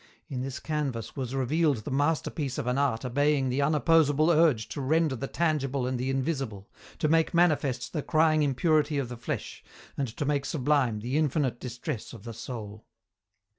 In this canvas was revealed the masterpiece of an art obeying the unopposable urge to render the tangible and the invisible, to make manifest the crying impurity of the flesh and to make sublime the infinite distress of the soul.